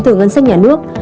từ ngân sách nhà nước